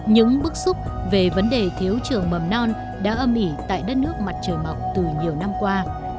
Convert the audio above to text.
những bức xúc về vấn đề thiếu trường mầm non đã âm ỉ tại đất nước mặt trời mọc từ nhiều năm qua